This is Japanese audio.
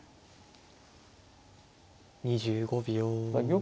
２５秒。